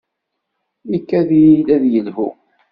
Ikad-iyi-d ad yelhu.